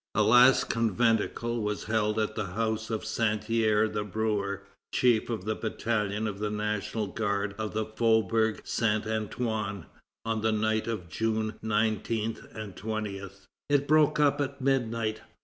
A last conventicle was held at the house of Santerre the brewer, chief of battalion of the National Guard of the Faubourg Saint Antoine, on the night of June 19 20. It broke up at midnight.